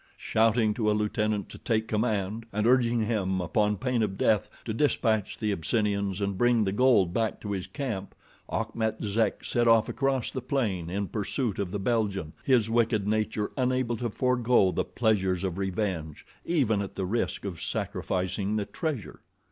Shouting to a lieutenant to take command, and urging him upon pain of death to dispatch the Abyssinians and bring the gold back to his camp, Achmet Zek set off across the plain in pursuit of the Belgian, his wicked nature unable to forego the pleasures of revenge, even at the risk of sacrificing the treasure.